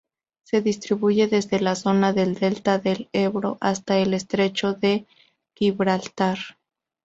Se distribuye desde la zona del delta del Ebro hasta el estrecho de Gibraltar.